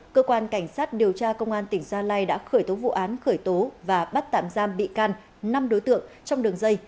cơ quan cảnh sát điều tra công an tỉnh gia lai đã khởi tố vụ án khởi tố và bắt tạm giam bị can năm đối tượng trong đường dây